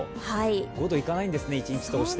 ５度いかないんですね、１日通して。